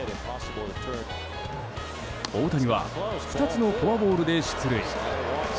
大谷は２つのフォアボールで出塁。